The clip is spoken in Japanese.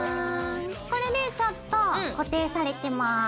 これでちょっと固定されてます。